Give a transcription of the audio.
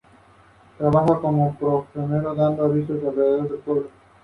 El rotor se rueda a alta velocidad cuando trabaja la máquina.